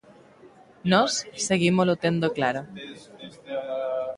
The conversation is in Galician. Nós seguímolo tendo claro.